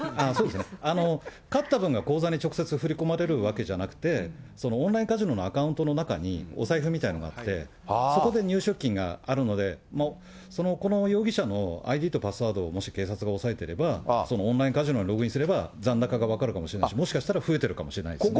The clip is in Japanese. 勝った分が口座に直接振り込まれるわけじゃなくて、オンラインカジノのアカウントの中に、お財布みたいのがあって、そこで入出金があるので、この容疑者のＩＤとパスワードをもし警察が押さえてれば、そのオンラインカジノにログインすれば、残高が分かるかもしれないし、もしかしたら増えてるかもしれないですね。